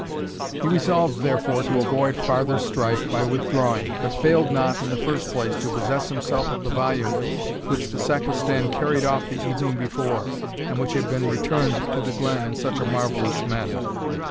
He resolved, therefore, to avoid farther strife by withdrawing, but failed not, in the first place, to possess himself of the volume which the Sacristan carried off the evening before, and which had been returned to the glen in such a marvellous manner.